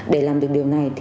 để làm được điều này